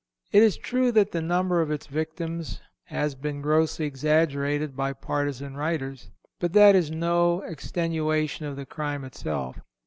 It is true that the number of its victims has been grossly exaggerated by partisan writers, but that is no extenuation of the crime itself.